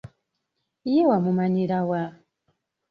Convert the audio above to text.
Ye wamumanyira wa?